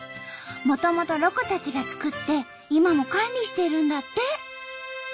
もともとロコたちが作って今も管理してるんだって！